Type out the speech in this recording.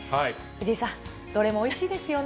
藤井さん、どれもおいしいですよね。